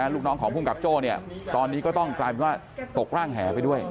ลูกน้องของภูมิกับโจ้ตอนนี้ก็ต้องกลายเป็นว่าตกร่างแหไปด้วย